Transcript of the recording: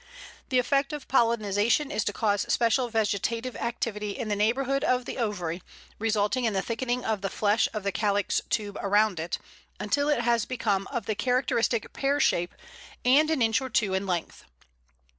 The effect of pollination is to cause special vegetative activity in the neighbourhood of the ovary, resulting in the thickening of the flesh of the calyx tube around it, until it has become of the characteristic pear shape, and an inch or two in length.